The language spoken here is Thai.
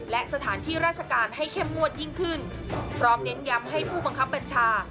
และสถานที่ราชการให้เข้มงวดยิ่งขึ้นพร้อมเน้นย้ำให้ผู้บังคับบัญชา